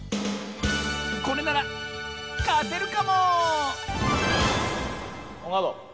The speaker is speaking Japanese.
これならかてるかも！